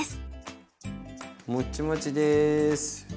もっちもちです。